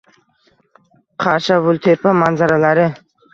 Qarshavultepa manzaralari